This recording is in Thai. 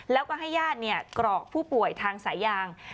แล้วก็ให้ญาติกรอกผู้ป่วยทางสายยาง